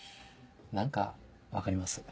何か分かります。